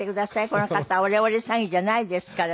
この方オレオレ詐欺じゃないですから。